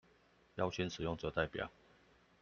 邀請使用者代表